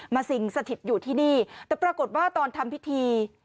สิ่งสถิตอยู่ที่นี่แต่ปรากฏว่าตอนทำพิธี